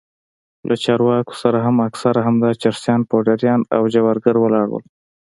له چارواکو سره هم اکثره همدا چرسيان پوډريان او جوارگر ولاړ وو.